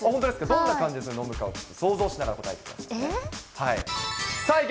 どんな感じで飲むか、想像しながら答えてください。